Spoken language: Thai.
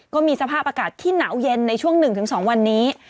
ก็มีสภาพอากาศที่หนาวเย็นในช่วง๑๒วันนี้